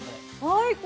最高！